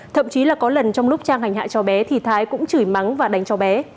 thậm chí là có lần trong lúc trang hành hại cho bé thì thái cũng chửi mắng và đánh cho bé